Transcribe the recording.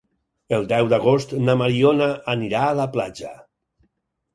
El deu d'agost na Mariona anirà a la platja.